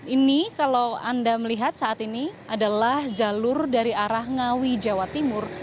ini kalau anda melihat saat ini adalah jalur dari arah ngawi jawa timur